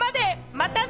またね！